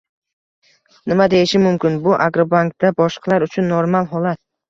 : Nima deyishim mumkin, bu Agrobankda boshqalar uchun normal holat